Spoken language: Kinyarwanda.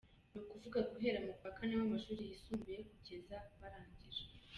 Ni ukuvuga guhera mu wa kane w’amashuri yisumbuye kugeza barangije.